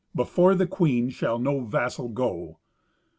"Before the queen shall no vassal go."